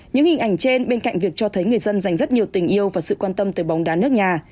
những hình ảnh trên bên cạnh việc cho thấy người dân dành rất nhiều tình yêu và sự quan tâm tới bóng đá nước nhà